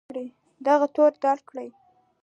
دغه تور رد کړ